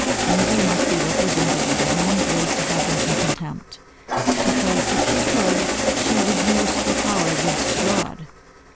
Envy must be represented with the hands raised to heaven in contempt, because if she could she would use her power against God.